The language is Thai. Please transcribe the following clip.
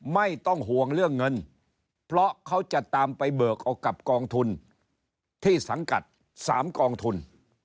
ไม่ต้องห่วงเรื่องเงินเพราะเขาจะตามไปเบิกเอากับกองทุนที่สังกัด๓กองทุน